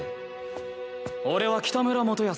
俺は北村元康。